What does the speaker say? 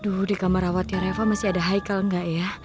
aduh di kamar awatnya reva masih ada haikal gak ya